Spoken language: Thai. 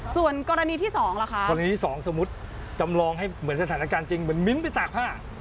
ส่วนกรณีที่สองสมมุติจำลองให้สถานการณ์เต็มมิ้นไปตากผ้า